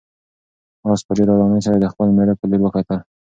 آس په ډېرې آرامۍ سره د خپل مېړه په لور وکتل.